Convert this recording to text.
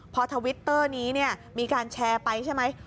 พอทวิตเตอร์นี้มีการแชร์ไปใช่ไหม